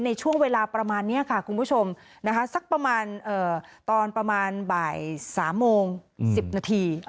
ในช่วงเวลาประมาณนี้ค่ะคุณผู้ชมสักประมาณตอนประมาณบ่าย๓โมง๑๐นาที